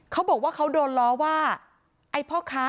เขาบอกว่าเขาโดนล้อว่าไอ้พ่อค้า